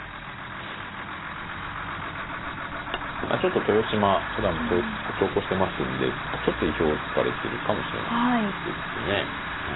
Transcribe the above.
まあちょっと豊島九段も長考してますんでちょっと意表をつかれてるかもしれないですね。